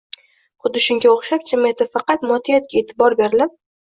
Xuddi shunga o‘xshab, jamiyatda faqat moddiyatga e’tibor berilib